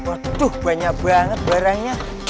aduh banyak banget barangnya